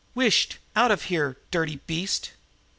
"Whisht! Out of here, dirty beast!"